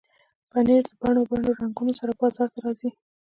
پنېر د بڼو بڼو رنګونو سره بازار ته راځي.